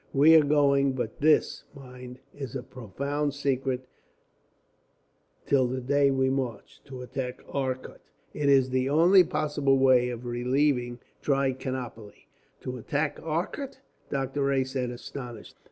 "We are going but this, mind, is a profound secret till the day we march to attack Arcot. It is the only possible way of relieving Trichinopoli." "To attack Arcot?" Doctor Rae said, astonished.